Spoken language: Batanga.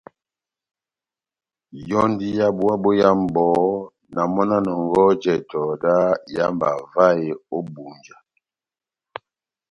Yɔ́ndi yá búwa boyamu bɔhɔ́, na mɔ́ na nɔngɔhɔ jɛtɛ dá ihámba vahe ó Ebunja.